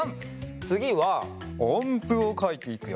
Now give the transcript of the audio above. つぎはおんぷをかいていくよ。